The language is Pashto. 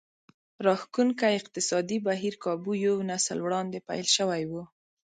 راښکوونکی اقتصادي بهير کابو یو نسل وړاندې پیل شوی و